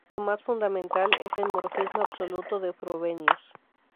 La más fundamental es el morfismo absoluto de Frobenius.